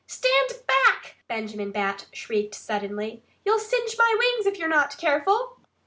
"Stand back!" Benjamin Bat shrieked suddenly. "You'll singe my wings if you're not careful!"